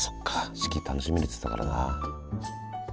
四季楽しみにっつってたからな。